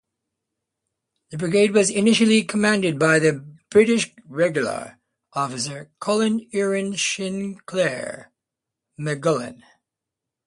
The brigade was initially commanded by a British regular officer, Colonel Ewen Sinclair-Maclagan.